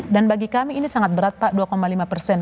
dan bagi kami ini sangat berat pak dua lima persen